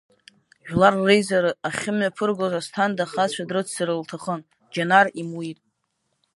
Жәлар реизара ахьымҩаԥыргоз Асҭанда ахацәа дрыццар лҭахын, Џьанар имуит.